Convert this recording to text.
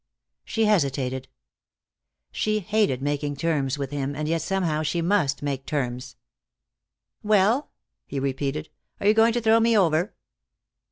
She hesitated. She hated making terms with him, and yet somehow she must make terms. "Well?" he repeated. "Are you going to throw me over?"